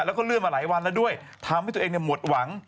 แล้วก็เลื่อนมาหลายวันแล้วด้วยทำให้ตัวเองหมดหวัง